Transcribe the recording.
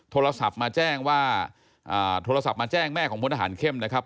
โทรศัพท์มาแจ้งว่าโทรศัพท์มาแจ้งแม่ของพลทหารเข้มนะครับ